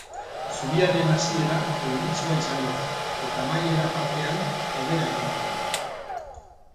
Zubiaren hasiera euritsua izango da eta amaiera partean, hobera egingo du.